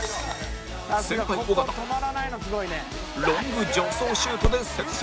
先輩尾形ロング助走シュートで先制